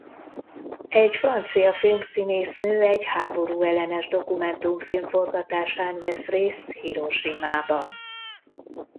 Egy francia filmszínésznő egy háborúellenes dokumentumfilm forgatásán vesz részt Hirosimában.